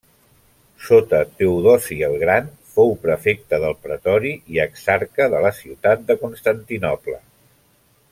Sota Teodosi el Gran fou prefecte del pretori, i exarca de la ciutat de Constantinoble.